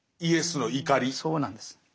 そうなんです。